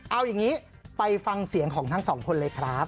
เอาอย่างนี้ไปฟังเสียงของทั้งสองคนเลยครับ